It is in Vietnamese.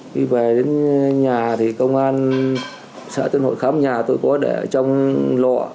khi về đến nhà thì công an xã tuyên hội khám nhà tôi có để trong lọ